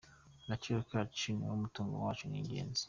Agaciro kacu niwo mutungo wacu w’ingenzi.